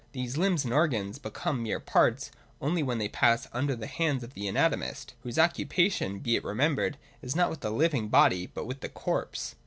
These limbs and organs become mere parts, only when they pass under the hands of the anatomist, whose occupa tion, be it remembered, is not with the living body but with the corpse.